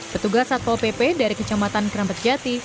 ketugas satpo pp dari kecamatan kerampet jati